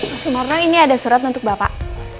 pak sumarno ini ada surat untuk bapak